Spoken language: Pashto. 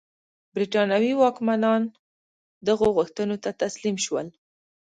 برېټانوي واکمنان دغو غوښتنو ته تسلیم شول.